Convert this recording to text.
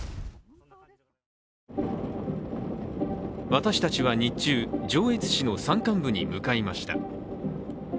私たちは日中、上越市の山間部に向かいました。